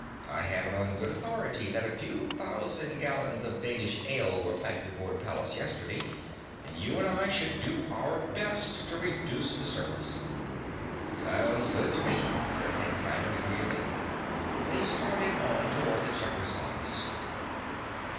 I have it on good authority that a few thousand gallons of Danish ale were piped aboard Pallas yesterday, and you and I should do our best to reduce the surplus." "Sounds good to me," said St. Simon agreeably. They started on toward the checker's office.